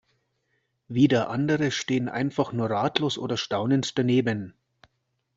Wieder andere stehen einfach nur ratlos oder staunend daneben.